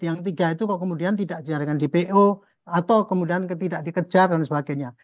yang tiga itu kok kemudian tidak dijadikan dpo atau kemudian tidak dikejar dan sebagainya